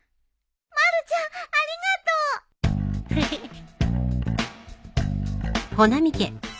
まるちゃんありがとう。フフッ。